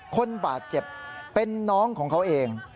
คนบาดเจ็บเป็นน้องของเขาเอง